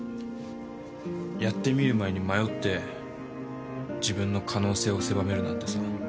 やってみる前に迷って自分の可能性を狭めるなんてさ。